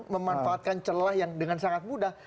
memanfaatkan celah yang dengan sangat mudah